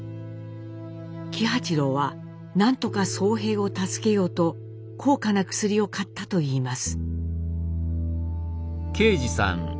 喜八郎は何とか荘平を助けようと高価な薬を買ったといいます。